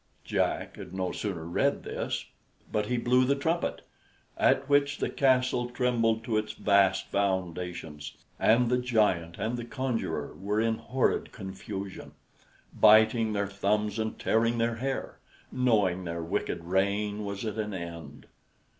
Jack had no sooner read this but he blew the trumpet, at which the castle trembled to its vast foundations, and the giant and conjurer were in horrid confusion, biting their thumbs and tearing their hair, knowing their wicked reign was at an end.